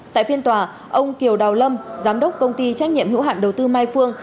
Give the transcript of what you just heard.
tại phiên tòa ông kiều đào lâm giám đốc công ty trách nhiệm hữu hạn đầu tư mai phương